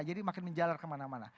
jadi makin menjalar kemana mana